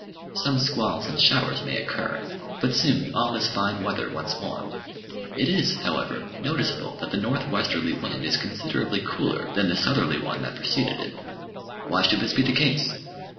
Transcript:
Some squalls and showers may occur, but soon all is fine weather once more. It is, however, noticeable that the north westerly wind is considerably cooler than the southerly one that preceded it. Why should this be the case?